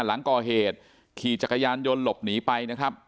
หลังก่อเหตุขี่จักรยานยนต์หลบหนีไปนะครับ